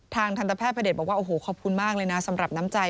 ทางท่านทะแพทย์พระเด็จบอกว่าขอบคุณมากเลยนะสำหรับน้ำใจ